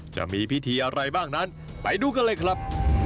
จะมีพิธีอะไรบ้างนั้นไปดูกันเลยครับ